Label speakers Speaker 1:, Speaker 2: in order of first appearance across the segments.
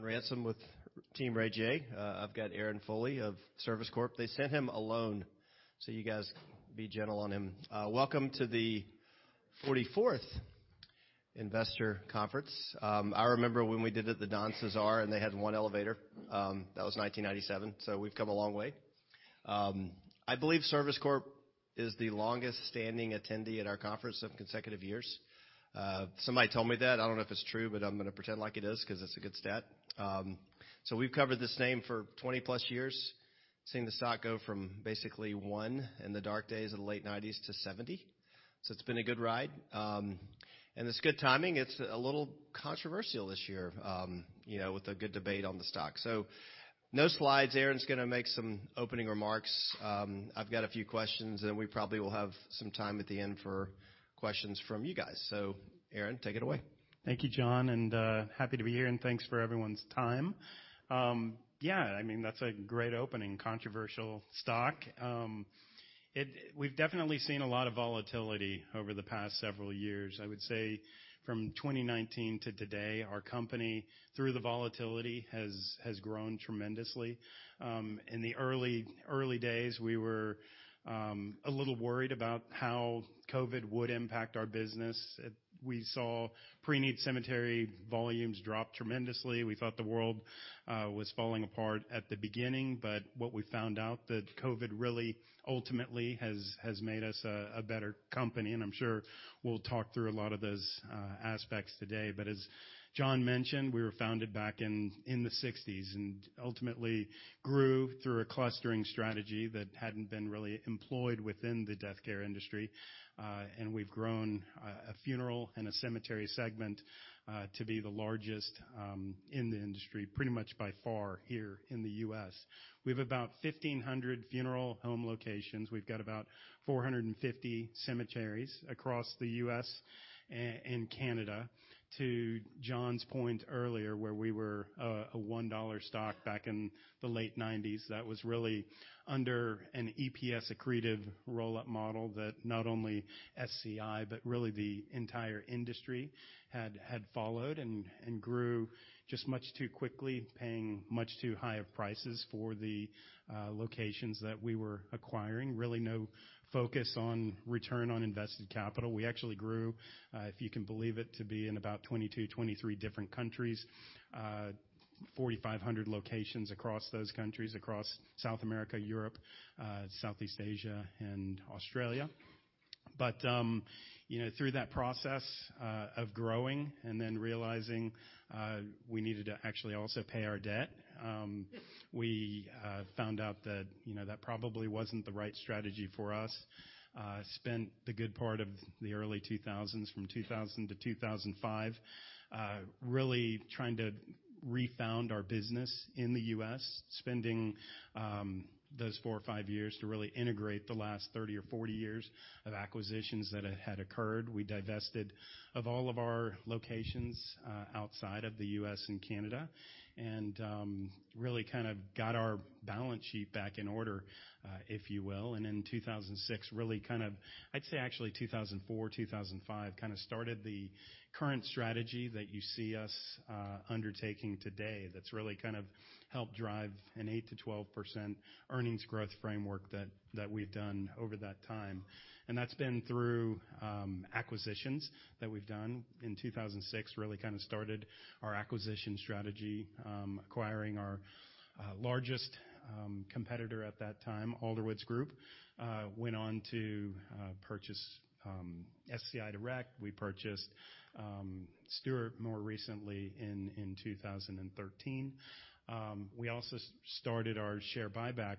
Speaker 1: John Ransom with Team Ray Jay. I've got Aaron Foley of Service Corp. They sent him alone, so you guys be gentle on him. Welcome to the 44th Investor Conference. I remember when we did it at the Don CeSar, and they had one elevator. That was 1997, so we've come a long way. I believe Service Corp is the longest-standing attendee at our conference of consecutive years. Somebody told me that. I don't know if it's true, but I'm gonna pretend like it is 'cause it's a good stat, so we've covered this name for 20-plus years, seeing the stock go from basically $1 in the dark days of the late '90s to $70. So it's been a good ride, and it's good timing. It's a little controversial this year, you know, with a good debate on the stock. So no slides. Aaron's gonna make some opening remarks. I've got a few questions, and we probably will have some time at the end for questions from you guys. So, Aaron, take it away.
Speaker 2: Thank you, John, and happy to be here, and thanks for everyone's time. Yeah, I mean, that's a great opening, controversial stock. We've definitely seen a lot of volatility over the past several years. I would say from 2019 to today, our company, through the volatility, has grown tremendously. In the early days, we were a little worried about how COVID would impact our business. We saw pre-need cemetery volumes drop tremendously. We thought the world was falling apart at the beginning, but what we found out that COVID really ultimately has made us a better company, and I'm sure we'll talk through a lot of those aspects today, but as John mentioned, we were founded back in the 1960s and ultimately grew through a clustering strategy that hadn't been really employed within the death care industry. And we've grown a funeral and a cemetery segment to be the largest in the industry, pretty much by far here in the U.S. We have about 1,500 funeral home locations. We've got about 450 cemeteries across the U.S. and Canada. To John's point earlier, where we were a $1 stock back in the late 1990s, that was really under an EPS-accretive roll-up model that not only SCI, but really the entire industry had followed and grew just much too quickly, paying much too high prices for the locations that we were acquiring. Really no focus on return on invested capital. We actually grew, if you can believe it, to be in about 22-23 different countries, 4,500 locations across those countries, across South America, Europe, Southeast Asia, and Australia. But, you know, through that process, of growing and then realizing, we needed to actually also pay our debt, we found out that, you know, that probably wasn't the right strategy for us. Spent the good part of the early 2000s, from 2000 to 2005, really trying to refound our business in the U.S., spending, those four or five years to really integrate the last 30 or 40 years of acquisitions that had had occurred. We divested of all of our locations, outside of the U.S. and Canada and, really kind of got our balance sheet back in order, if you will. And in 2006, really kind of, I'd say actually 2004, 2005, kind of started the current strategy that you see us, undertaking today that's really kind of helped drive an 8%-12% earnings growth framework that we've done over that time. And that's been through acquisitions that we've done. In 2006, really kind of started our acquisition strategy, acquiring our largest competitor at that time, Alderwoods Group. Went on to purchase SCI Direct. We purchased Stewart more recently in 2013. We also started our share buyback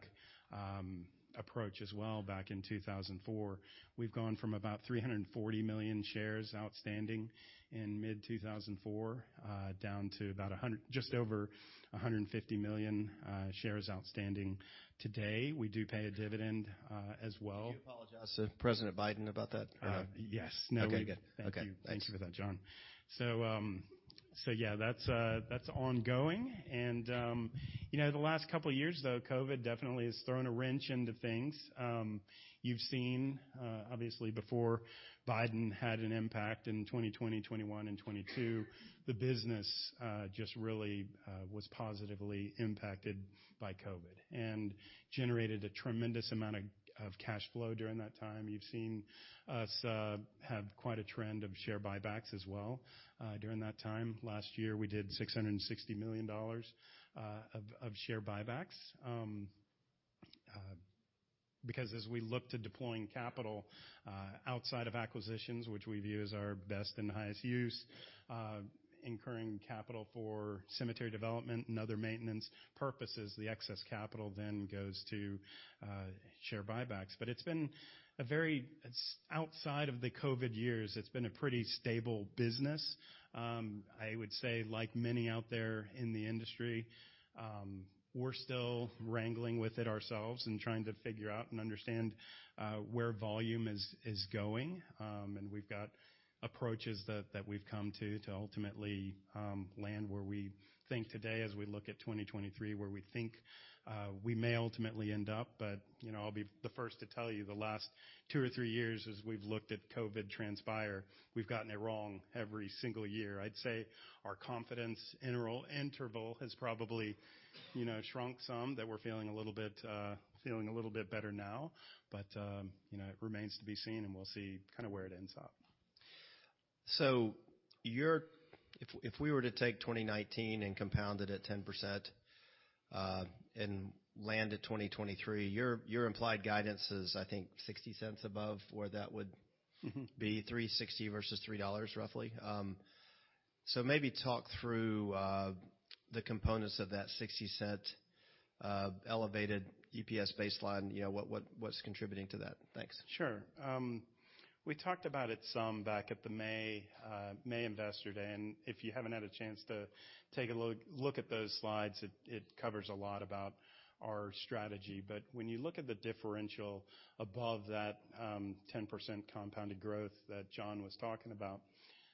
Speaker 2: approach as well back in 2004. We've gone from about 340 million shares outstanding in mid-2004, down to about 100, just over 150 million shares outstanding today. We do pay a dividend as well.
Speaker 1: Did you apologize to President Biden about that?
Speaker 2: Yes. No, you did.
Speaker 1: Okay.
Speaker 2: Thank you.
Speaker 1: Thank you for that, John.
Speaker 2: So, yeah, that's ongoing. You know, the last couple of years, though, COVID definitely has thrown a wrench into things. You've seen, obviously before Biden had an impact in 2020, 2021, and 2022, the business just really was positively impacted by COVID and generated a tremendous amount of cash flow during that time. You've seen us have quite a trend of share buybacks as well during that time. Last year, we did $660 million of share buybacks because as we look to deploying capital outside of acquisitions, which we view as our best and highest use, incurring capital for cemetery development and other maintenance purposes, the excess capital then goes to share buybacks. But it's been a very. It's outside of the COVID years. It's been a pretty stable business. I would say, like many out there in the industry, we're still wrangling with it ourselves and trying to figure out and understand where volume is going, and we've got approaches that we've come to ultimately land where we think today, as we look at 2023, where we think we may ultimately end up, but you know, I'll be the first to tell you, the last two or three years, as we've looked at COVID transpire, we've gotten it wrong every single year. I'd say our confidence interval has probably, you know, shrunk some, that we're feeling a little bit better now, but you know, it remains to be seen, and we'll see kind of where it ends up.
Speaker 1: So if we were to take 2019 and compound it at 10%, and land at 2023, your implied guidance is, I think, $0.60 above where that would be $3.60 versus $3, roughly. So maybe talk through the components of that $0.60 elevated EPS baseline, you know, what's contributing to that. Thanks.
Speaker 2: Sure. We talked about it some back at the May Investor Day. And if you haven't had a chance to take a look at those slides, it covers a lot about our strategy. But when you look at the differential above that, 10% compounded growth that John was talking about,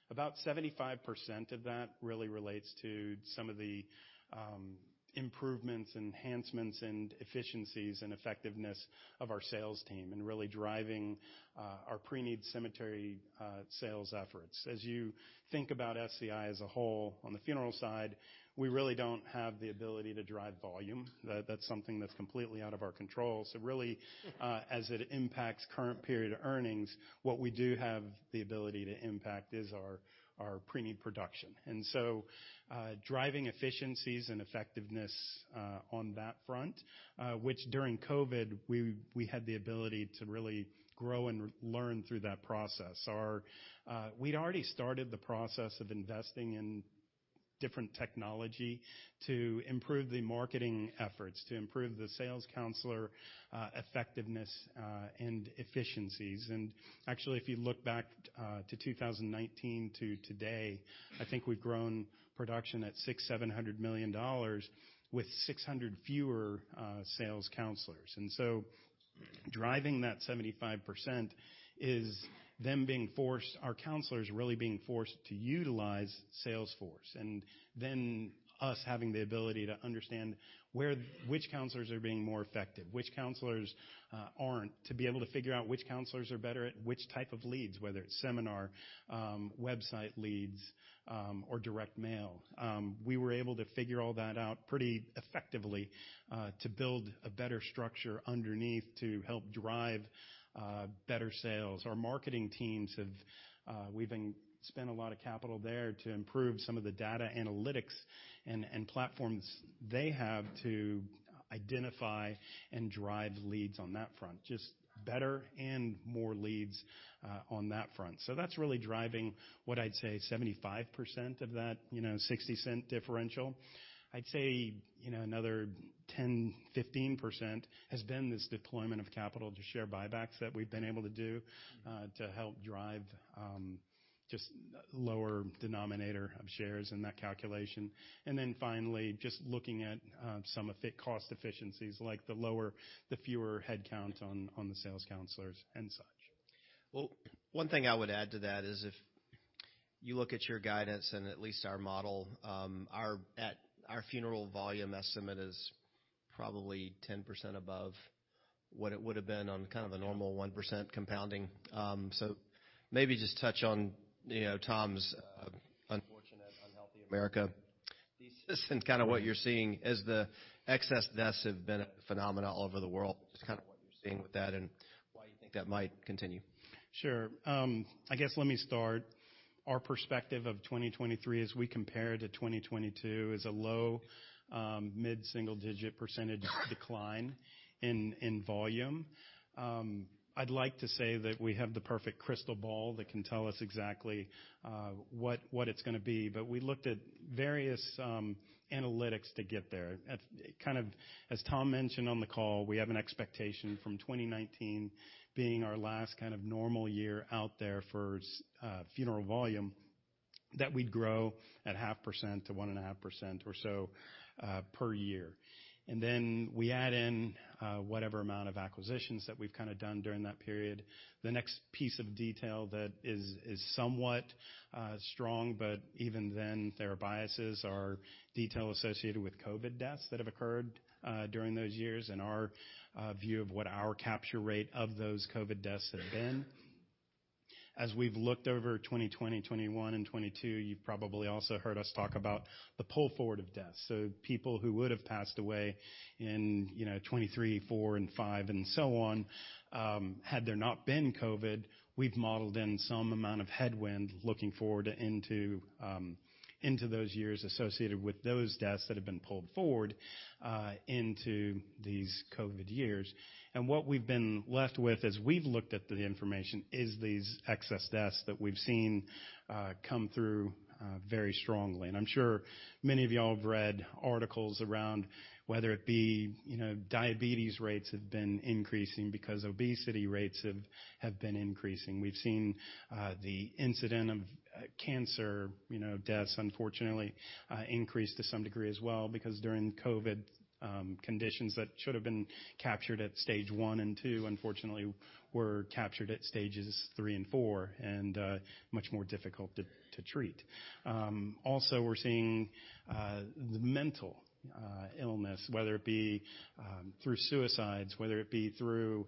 Speaker 2: about 75% of that really relates to some of the improvements, enhancements, and efficiencies and effectiveness of our sales team and really driving our pre-need cemetery sales efforts. As you think about SCI as a whole, on the funeral side, we really don't have the ability to drive volume. That's something that's completely out of our control. So really, as it impacts current period of earnings, what we do have the ability to impact is our pre-need production. Driving efficiencies and effectiveness on that front, which during COVID we had the ability to really grow and learn through that process. We'd already started the process of investing in different technology to improve the marketing efforts, to improve the sales counselor effectiveness and efficiencies. Actually, if you look back to 2019 to today, I think we've grown production to $6-$700 million with 600 fewer sales counselors. Driving that 75% is our counselors really being forced to utilize Salesforce and then us having the ability to understand which counselors are being more effective, which counselors aren't, to be able to figure out which counselors are better at which type of leads, whether it's seminar, website leads, or direct mail. We were able to figure all that out pretty effectively to build a better structure underneath to help drive better sales. Our marketing teams, we've spent a lot of capital there to improve some of the data analytics and platforms they have to identify and drive leads on that front, just better and more leads on that front, so that's really driving what I'd say 75% of that, you know, $0.60 differential. I'd say, you know, another 10%-15% has been this deployment of capital to share buybacks that we've been able to do to help drive just lower denominator of shares in that calculation, and then finally, just looking at some of the cost efficiencies, like the lower, the fewer headcount on the sales counselors and such.
Speaker 1: One thing I would add to that is if you look at your guidance and at least our model, our funeral volume estimate is probably 10% above what it would have been on kind of a normal 1% compounding. Maybe just touch on, you know, Tom's unfortunate, unhealthy America thesis and kind of what you're seeing as the excess deaths have been a phenomenon all over the world, just kind of what you're seeing with that and why you think that might continue.
Speaker 2: Sure. I guess let me start. Our perspective of 2023, as we compare to 2022, is a low, mid-single-digit percentage decline in volume. I'd like to say that we have the perfect crystal ball that can tell us exactly what it's gonna be, but we looked at various analytics to get there. At kind of as Tom mentioned on the call, we have an expectation from 2019 being our last kind of normal year out there for funeral volume that we'd grow at 0.5%-1.5% or so per year, and then we add in whatever amount of acquisitions that we've kind of done during that period. The next piece of detail that is somewhat strong, but even then, there are biases or details associated with COVID deaths that have occurred during those years and our view of what our capture rate of those COVID deaths have been. As we've looked over 2020, 2021, and 2022, you've probably also heard us talk about the pull forward of deaths. So people who would have passed away in, you know, 2023, 2024, and 2025, and so on, had there not been COVID, we've modeled in some amount of headwind looking forward into those years associated with those deaths that have been pulled forward into these COVID years. And what we've been left with as we've looked at the information is these excess deaths that we've seen come through very strongly. And I'm sure many of y'all have read articles around whether it be, you know, diabetes rates have been increasing because obesity rates have been increasing. We've seen the incidence of cancer, you know, deaths, unfortunately, increase to some degree as well because during COVID, conditions that should have been captured at stage one and two, unfortunately, were captured at stages three and four and much more difficult to treat. Also, we're seeing the mental illness, whether it be through suicides, whether it be through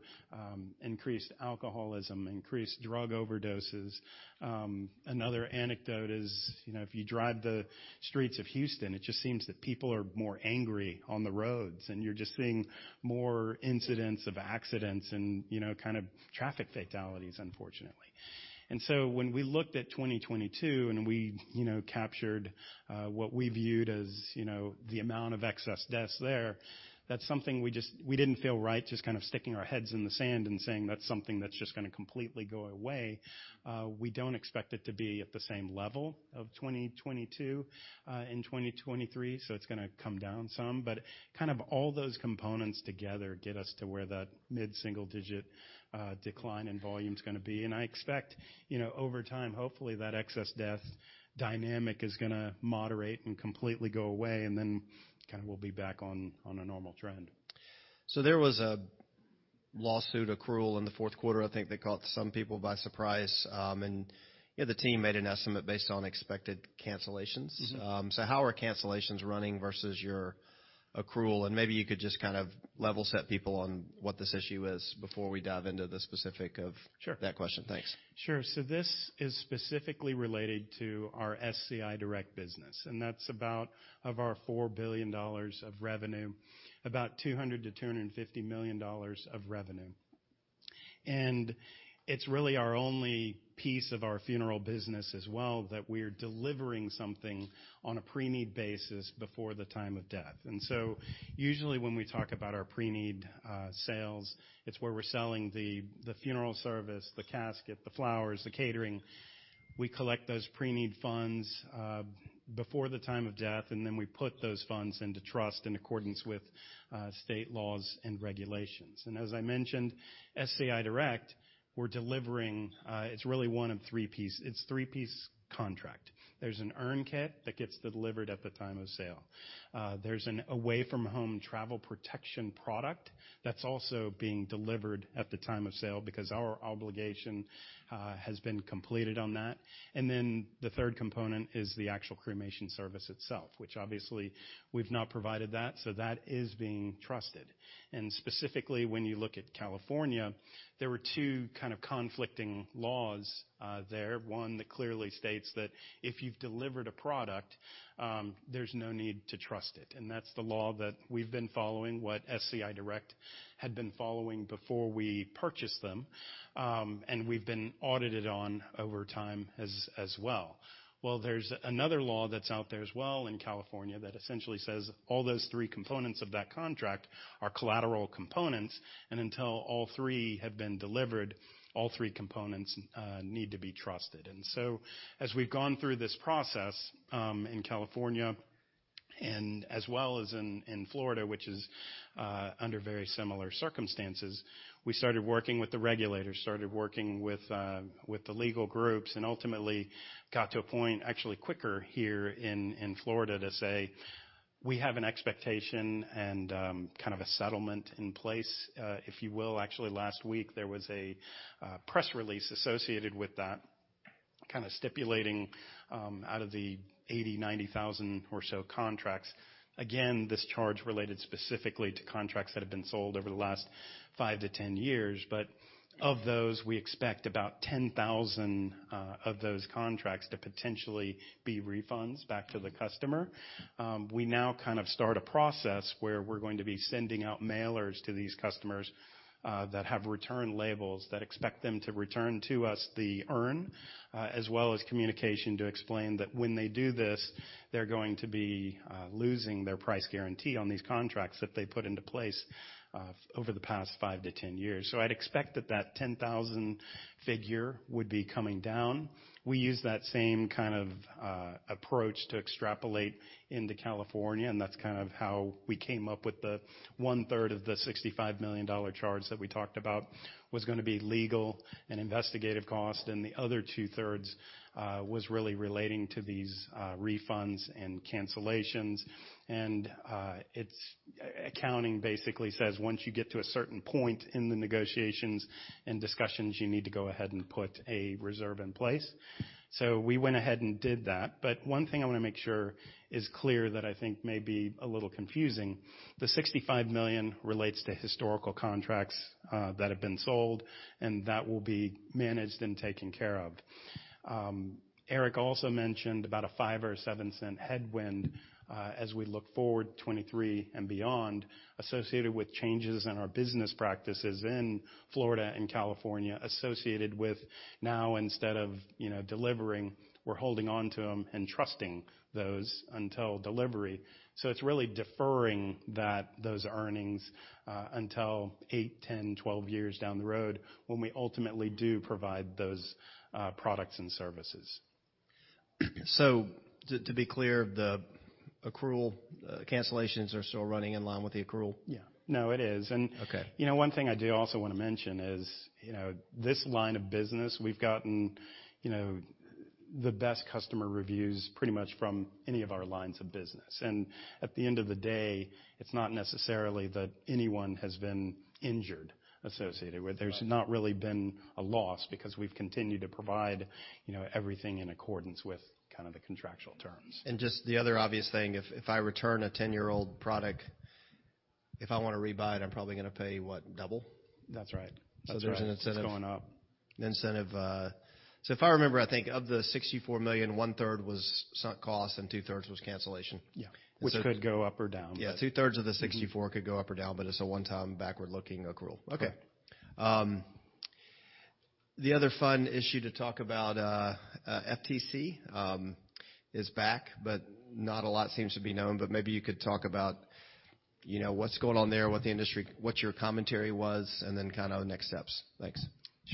Speaker 2: increased alcoholism, increased drug overdoses. Another anecdote is, you know, if you drive the streets of Houston, it just seems that people are more angry on the roads, and you're just seeing more incidents of accidents and, you know, kind of traffic fatalities, unfortunately. And so when we looked at 2022 and we, you know, captured what we viewed as, you know, the amount of excess deaths there, that's something we just didn't feel right just kind of sticking our heads in the sand and saying, "That's something that's just gonna completely go away." We don't expect it to be at the same level of 2022 in 2023, so it's gonna come down some. But kind of all those components together get us to where that mid-single-digit decline in volume's gonna be. And I expect, you know, over time, hopefully, that excess death dynamic is gonna moderate and completely go away, and then kind of we'll be back on a normal trend.
Speaker 1: There was a lawsuit, an accrual in the Q4. I think they caught some people by surprise, and you know, the team made an estimate based on expected cancellations.
Speaker 2: Mm-hmm.
Speaker 1: So how are cancellations running versus your accrual? And maybe you could just kind of level set people on what this issue is before we dive into the specifics of.
Speaker 2: Sure.
Speaker 1: That question. Thanks.
Speaker 2: Sure, so this is specifically related to our SCI Direct business, and that's about 5% of our $4 billion of revenue, about $200-$250 million of revenue, and it's really our only piece of our funeral business as well that we're delivering something on a pre-need basis before the time of death. And so usually when we talk about our pre-need sales, it's where we're selling the funeral service, the casket, the flowers, the catering. We collect those pre-need funds before the time of death, and then we put those funds into trust in accordance with state laws and regulations. And as I mentioned, SCI Direct, we're delivering, it's really one of three piece. It's three-piece contract. There's an urn kit that gets delivered at the time of sale. There's an away-from-home travel protection product that's also being delivered at the time of sale because our obligation has been completed on that. And then the third component is the actual cremation service itself, which obviously we've not provided that, so that is being trusted. And specifically, when you look at California, there were two kind of conflicting laws there, one that clearly states that if you've delivered a product, there's no need to trust it. And that's the law that we've been following, what SCI Direct had been following before we purchased them, and we've been audited on over time as well. Well, there's another law that's out there as well in California that essentially says all those three components of that contract are collateral components, and until all three have been delivered, all three components need to be trusted. So as we've gone through this process, in California and as well as in Florida, which is under very similar circumstances, we started working with the regulators, started working with the legal groups, and ultimately got to a point, actually quicker here in Florida, to say, "We have an expectation and kind of a settlement in place," if you will. Actually, last week, there was a press release associated with that kind of stipulating out of the 80,000, 90,000 or so contracts. Again, this charge related specifically to contracts that have been sold over the last five to 10 years. But of those, we expect about 10,000 of those contracts to potentially be refunds back to the customer. We now kind of start a process where we're going to be sending out mailers to these customers that have return labels that expect them to return to us the urn, as well as communication to explain that when they do this, they're going to be losing their price guarantee on these contracts that they put into place over the past five to 10 years. So I'd expect that that 10,000 figure would be coming down. We use that same kind of approach to extrapolate into California, and that's kind of how we came up with the one-third of the $65 million charge that we talked about was gonna be legal and investigative cost, and the other two-thirds was really relating to these refunds and cancellations. It's accounting basically says, "Once you get to a certain point in the negotiations and discussions, you need to go ahead and put a reserve in place." We went ahead and did that. One thing I wanna make sure is clear that I think may be a little confusing. The $65 million relates to historical contracts that have been sold, and that will be managed and taken care of. Eric also mentioned about a $0.05 or $0.07 headwind, as we look forward 2023 and beyond, associated with changes in our business practices in Florida and California associated with now instead of, you know, delivering, we're holding onto them and trusting those until delivery. It's really deferring those earnings, until 8, 10, 12 years down the road when we ultimately do provide those products and services.
Speaker 1: So to be clear, the accrual, cancellations are still running in line with the accrual?
Speaker 2: Yeah. No, it is. And.
Speaker 1: Okay.
Speaker 2: You know, one thing I do also wanna mention is, you know, this line of business. We've gotten, you know, the best customer reviews pretty much from any of our lines of business. And at the end of the day, it's not necessarily that anyone has been injured associated with. There's not really been a loss because we've continued to provide, you know, everything in accordance with kind of the contractual terms.
Speaker 1: Just the other obvious thing, if I return a 10-year-old product, if I wanna rebuy it, I'm probably gonna pay, what, double?
Speaker 2: That's right.
Speaker 1: So there's an incentive.
Speaker 2: So that's going up.
Speaker 1: The incentive, so if I remember, I think of the $64 million, one-third was sunk cost and two-thirds was cancellation.
Speaker 2: Yeah.
Speaker 1: Which.
Speaker 2: Which could go up or down.
Speaker 1: Yeah. Two-thirds of the 64 could go up or down, but it's a one-time backward-looking accrual.
Speaker 2: Yeah.
Speaker 1: Okay. The other fun issue to talk about, FTC, is back, but not a lot seems to be known. But maybe you could talk about, you know, what's going on there, what the industry, what your commentary was, and then kind of next steps. Thanks.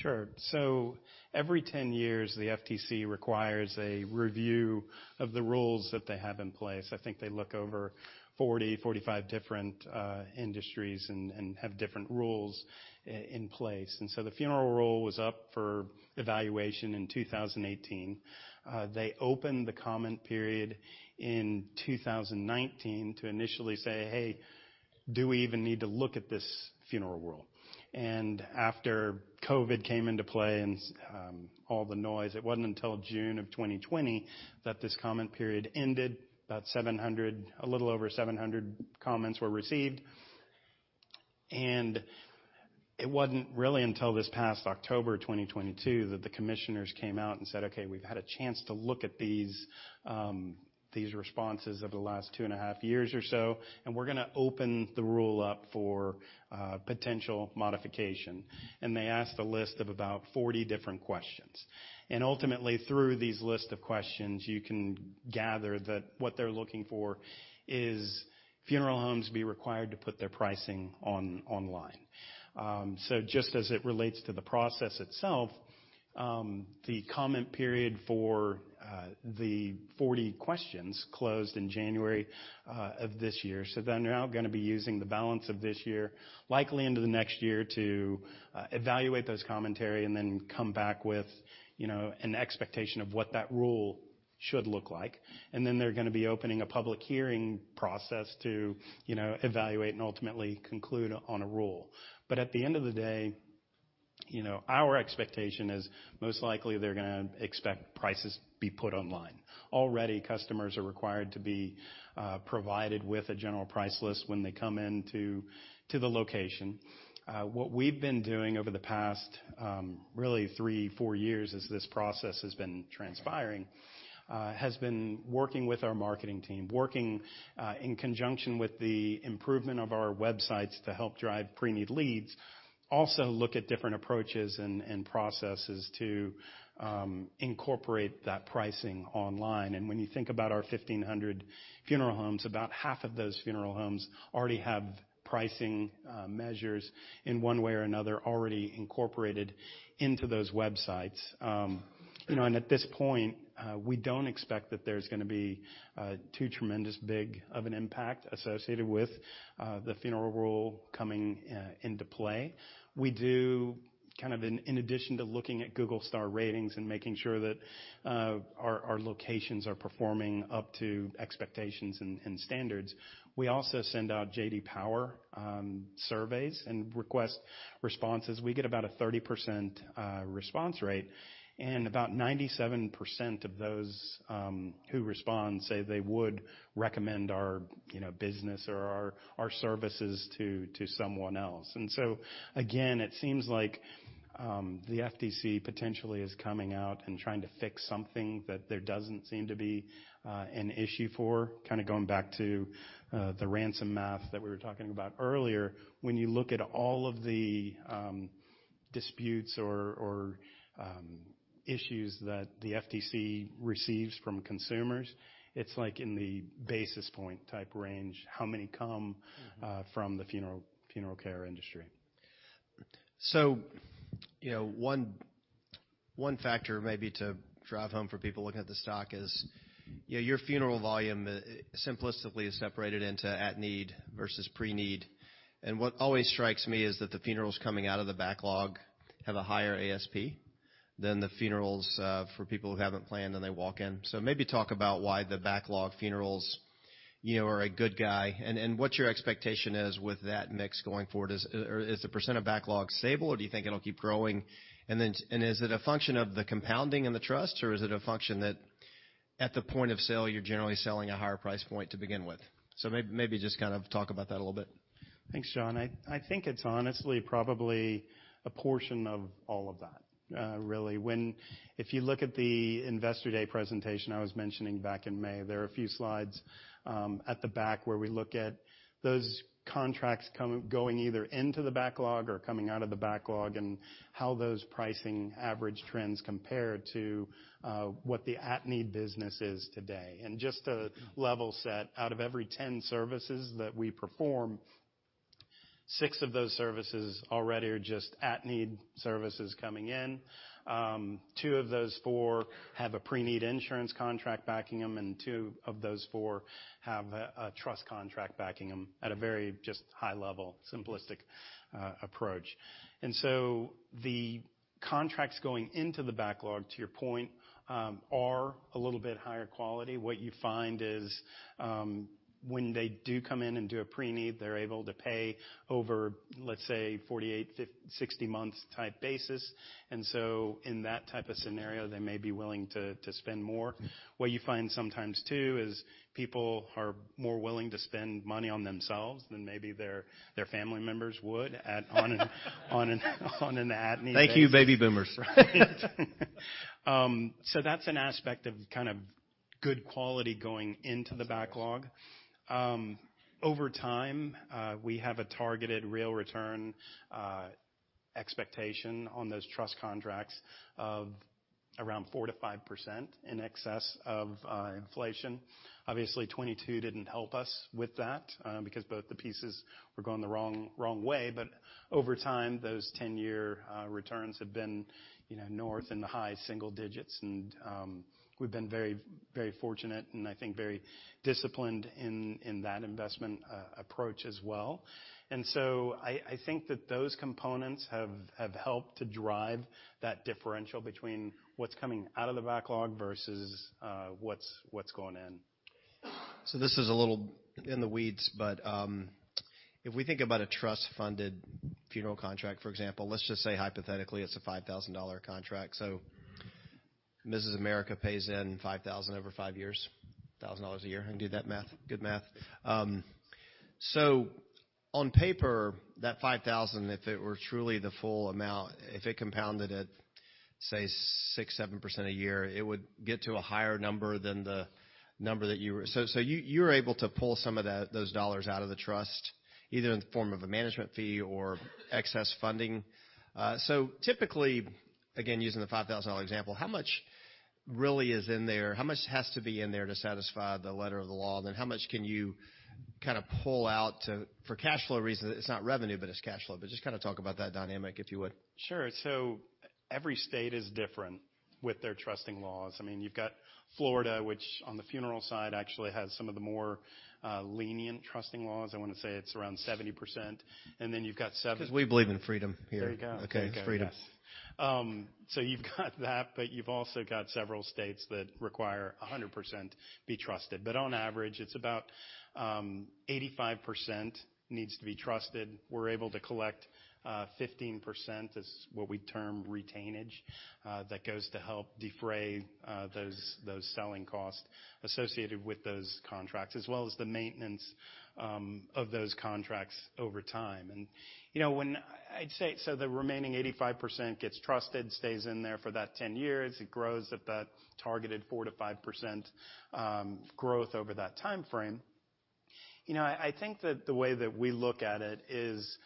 Speaker 2: Sure. So every 10 years, the FTC requires a review of the rules that they have in place. I think they look over 40, 45 different industries and have different rules in place. And so the Funeral Rule was up for evaluation in 2018. They opened the comment period in 2019 to initially say, "Hey, do we even need to look at this Funeral Rule?" And after COVID came into play and all the noise, it wasn't until June of 2020 that this comment period ended. About 700, a little over 700 comments were received. It wasn't really until this past October 2022 that the commissioners came out and said, "Okay, we've had a chance to look at these, these responses over the last two and a half years or so, and we're gonna open the rule up for potential modification." They asked a list of about 40 different questions. Ultimately, through these lists of questions, you can gather that what they're looking for is funeral homes be required to put their pricing online, so just as it relates to the process itself, the comment period for the 40 questions closed in January of this year, so they're now gonna be using the balance of this year, likely into the next year to evaluate those comments and then come back with, you know, an expectation of what that rule should look like. And then they're gonna be opening a public hearing process to, you know, evaluate and ultimately conclude on a rule. But at the end of the day, you know, our expectation is most likely they're gonna expect prices be put online. Already, customers are required to be, provided with a General Price List when they come into the location. What we've been doing over the past, really three, four years as this process has been transpiring, has been working with our marketing team, working, in conjunction with the improvement of our websites to help drive pre-need leads, also look at different approaches and processes to, incorporate that pricing online. And when you think about our 1,500 funeral homes, about half of those funeral homes already have pricing measures in one way or another already incorporated into those websites. You know, and at this point, we don't expect that there's gonna be too tremendous big of an impact associated with the Funeral rule coming into play. We do kind of in addition to looking at Google star ratings and making sure that our locations are performing up to expectations and standards, we also send out J.D. Power surveys and request responses. We get about a 30% response rate, and about 97% of those who respond say they would recommend our, you know, business or our services to someone else. So again, it seems like the FTC potentially is coming out and trying to fix something that there doesn't seem to be an issue for. Kind of going back to the Ransom math that we were talking about earlier, when you look at all of the disputes or issues that the FTC receives from consumers, it's like in the basis point type range, how many come from the funeral care industry.
Speaker 1: So, you know, one factor maybe to drive home for people looking at the stock is, you know, your funeral volume simplistically is separated into at-need versus pre-need. And what always strikes me is that the funerals coming out of the backlog have a higher ASP than the funerals, for people who haven't planned and they walk in. So maybe talk about why the backlog funerals, you know, are a good guy. And what's your expectation is with that mix going forward? Is or the % of backlog stable, or do you think it'll keep growing? And then is it a function of the compounding and the trust, or is it a function that at the point of sale, you're generally selling a higher price point to begin with? So maybe just kind of talk about that a little bit.
Speaker 2: Thanks, John. I think it's honestly probably a portion of all of that, really. If you look at the investor day presentation I was mentioning back in May, there are a few slides at the back where we look at those contracts coming going either into the backlog or coming out of the backlog and how those pricing average trends compare to what the at-need business is today. And just to level set, out of every 10 services that we perform, six of those services already are just at-need services coming in. Two of those four have a pre-need insurance contract backing them, and two of those four have a trust contract backing them at a very just high level, simplistic approach. And so the contracts going into the backlog, to your point, are a little bit higher quality. What you find is, when they do come in and do a pre-need, they're able to pay over, let's say, 48, 60 months type basis. And so in that type of scenario, they may be willing to spend more. What you find sometimes too is people are more willing to spend money on themselves than maybe their family members would at on an at-need.
Speaker 1: Thank you, baby boomers.
Speaker 2: Right. So that's an aspect of kind of good quality going into the backlog. Over time, we have a targeted real return expectation on those trust contracts of around 4%-5% in excess of inflation. Obviously, 2022 didn't help us with that, because both the pieces were going the wrong way. But over time, those 10-year returns have been, you know, north in the high single digits. And we've been very, very fortunate and I think very disciplined in that investment approach as well. And so I think that those components have helped to drive that differential between what's coming out of the backlog versus what's going in.
Speaker 1: So this is a little in the weeds, but if we think about a trust-funded funeral contract, for example, let's just say hypothetically it's a $5,000 contract. Mrs. America pays in $5,000 over 5 years, $1,000 a year. I can do that math. Good math. So on paper, that $5,000, if it were truly the full amount, if it compounded at, say, 6%-7% a year, it would get to a higher number than the number that you were. So you were able to pull some of those dollars out of the trust either in the form of a management fee or excess funding. So typically, again, using the $5,000 example, how much really is in there? How much has to be in there to satisfy the letter of the law? Then how much can you kind of pull forward for cash flow reasons? It's not revenue, but it's cash flow. Just kind of talk about that dynamic, if you would.
Speaker 2: Sure. So every state is different with their trusting laws. I mean, you've got Florida, which on the funeral side actually has some of the more lenient trusting laws. I wanna say it's around 70%. And then you've got several.
Speaker 1: 'Cause we believe in freedom here.
Speaker 2: There you go.
Speaker 1: Okay. Freedom.
Speaker 2: Yes. So you've got that, but you've also got several states that require 100% be trusted. But on average, it's about 85% needs to be trusted. We're able to collect 15%, which is what we term retainage, that goes to help defray those selling costs associated with those contracts as well as the maintenance of those contracts over time. And you know, when I'd say so the remaining 85% gets trusted, stays in there for that 10 years. It grows at that targeted 4%-5% growth over that time frame. You know, I think that the way that we look at it is not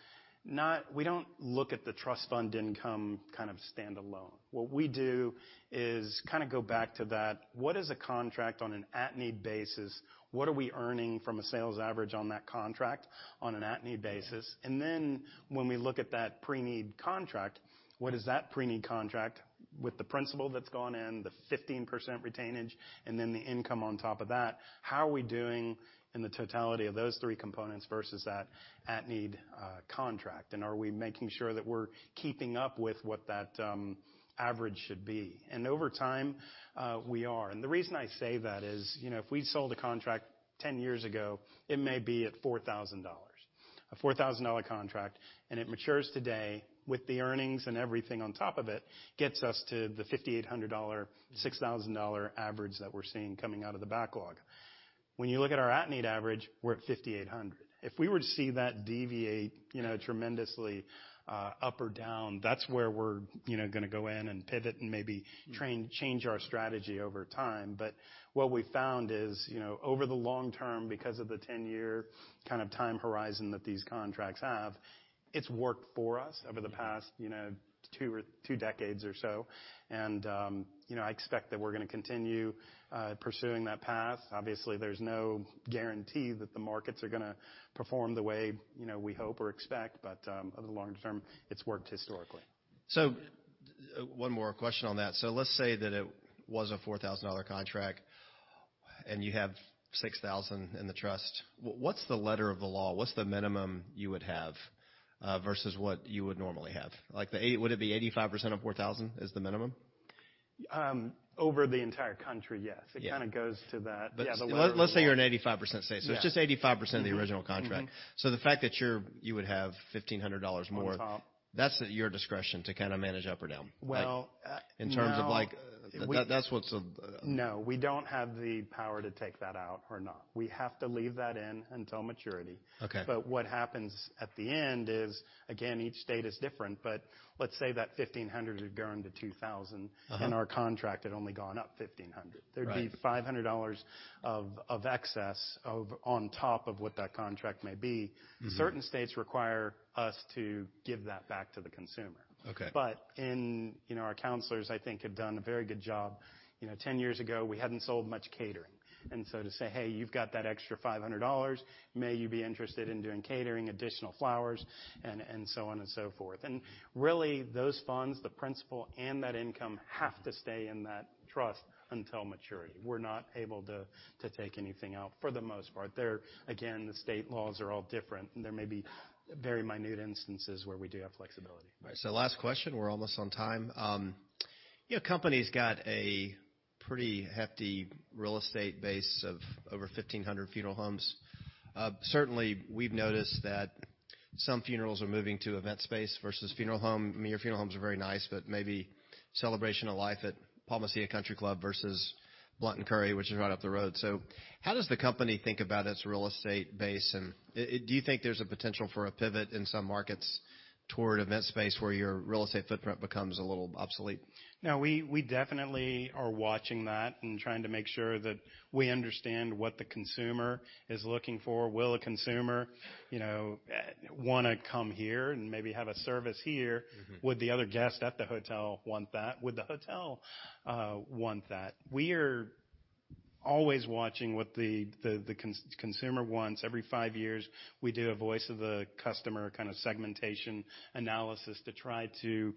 Speaker 2: we don't look at the trust fund income kind of standalone. What we do is kind of go back to that. What is a contract on an at-need basis? What are we earning from a sales average on that contract on an at-need basis? And then when we look at that pre-need contract, what is that pre-need contract with the principal that's gone in, the 15% retainage, and then the income on top of that? How are we doing in the totality of those three components versus that at-need contract? And are we making sure that we're keeping up with what that average should be? And over time, we are. And the reason I say that is, you know, if we sold a contract 10 years ago, it may be at $4,000, a $4,000 contract, and it matures today with the earnings and everything on top of it, gets us to the $5,800-$6,000 average that we're seeing coming out of the backlog. When you look at our at-need average, we're at $5,800. If we were to see that deviate, you know, tremendously, up or down, that's where we're, you know, gonna go in and pivot and maybe retrain or change our strategy over time. But what we found is, you know, over the long term, because of the 10-year kind of time horizon that these contracts have, it's worked for us over the past, you know, two or three decades or so. And, you know, I expect that we're gonna continue pursuing that path. Obviously, there's no guarantee that the markets are gonna perform the way, you know, we hope or expect. But, over the long term, it's worked historically.
Speaker 1: One more question on that. Let's say that it was a $4,000 contract and you have $6,000 in the trust. What's the letter of the law? What's the minimum you would have, versus what you would normally have? Like, is it 85% of $4,000 is the minimum?
Speaker 2: over the entire country, yes. It kind of goes to that. Yeah.
Speaker 1: So let's say you're an 85% state. So it's just 85% of the original contract. So the fact that you're would have $1,500 more.
Speaker 2: On top.
Speaker 1: That's at your discretion to kind of manage up or down.
Speaker 2: Well.
Speaker 1: In terms of like that, that's what's.
Speaker 2: No. We don't have the power to take that out or not. We have to leave that in until maturity.
Speaker 1: Okay.
Speaker 2: But what happens at the end is, again, each state is different. But let's say that 1,500 had grown to 2,000.
Speaker 1: Uh-huh.
Speaker 2: In our contract, it had only gone up 1,500.
Speaker 1: Gotcha.
Speaker 2: There'd be $500 of excess over on top of what that contract may be. Certain states require us to give that back to the consumer.
Speaker 1: Okay.
Speaker 2: In you know, our counselors, I think, have done a very good job. You know, 10 years ago, we hadn't sold much catering. And so to say, "Hey, you've got that extra $500. Would you be interested in doing catering, additional flowers, and so on and so forth." Really, those funds, the principal and that income have to stay in that trust until maturity. We're not able to take anything out for the most part. There, again, the state laws are all different. There may be very minute instances where we do have flexibility.
Speaker 1: All right. So last question. We're almost on time. You know, company's got a pretty hefty real estate base of over 1,500 funeral homes. Certainly, we've noticed that some funerals are moving to event space versus funeral home. I mean, your funeral homes are very nice, but maybe celebration of life at Palma Ceia Country Club versus Blount & Curry, which is right up the road. So how does the company think about its real estate base? And do you think there's a potential for a pivot in some markets toward event space where your real estate footprint becomes a little obsolete?
Speaker 2: No, we definitely are watching that and trying to make sure that we understand what the consumer is looking for. Will a consumer, you know, wanna come here and maybe have a service here? Would the other guest at the hotel want that? Would the hotel, want that? We are always watching what the consumer wants. Every five years, we do a voice of the customer kind of segmentation analysis to try to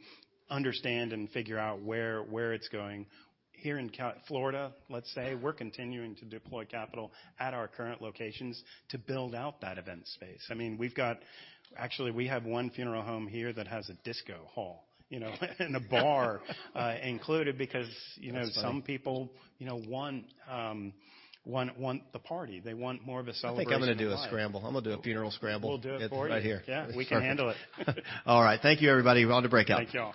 Speaker 2: understand and figure out where it's going. Here in Florida, let's say, we're continuing to deploy capital at our current locations to build out that event space. I mean, we've got actually, we have one funeral home here that has a disco hall, you know, and a bar, included because, you know, some people, you know, want the party. They want more of a celebration.
Speaker 1: I think I'm gonna do a scramble. I'm gonna do a funeral scramble.
Speaker 2: We'll do it for you.
Speaker 1: Right here.
Speaker 2: Yeah. We can handle it.
Speaker 1: All right. Thank you, everybody. On to breakout.
Speaker 2: Take care.